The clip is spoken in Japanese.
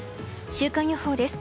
週間予報です。